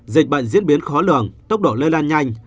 dịch bệnh diễn biến khó lường tốc độ lây lan nhanh